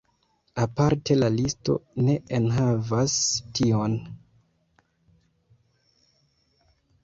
Aparte la listo ne enhavas tion.